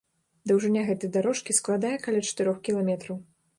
Даўжыня гэтай дарожкі складае каля чатырох кіламетраў.